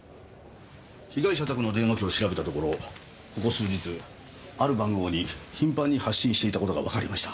被害社宅の電話機を調べたところここ数日ある番号に頻繁に発信していた事がわかりました。